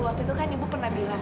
waktu itu kan ibu pernah bilang